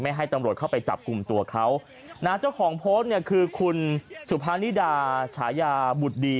ให้ตำรวจเข้าไปจับกลุ่มตัวเขานะเจ้าของโพสต์เนี่ยคือคุณสุภานิดาฉายาบุตรดี